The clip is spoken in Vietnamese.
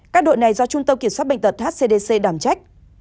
các đội này do trung tâm kiểm soát bệnh tật hcdc đảm trách